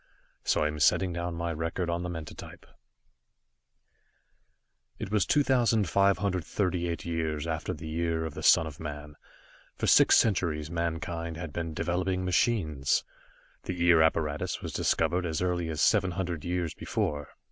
So I am setting down my record on the mentatype. It was 2538 years After the Year of the Son of Man. For six centuries mankind had been developing machines. The Ear apparatus was discovered as early as seven hundred years before.